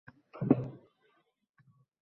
Fursat kelishi kutdingiz faqat